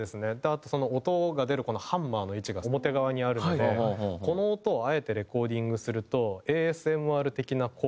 あと音が出るハンマーの位置が表側にあるのでこの音をあえてレコーディングするとＡＳＭＲ的な効果が得られる。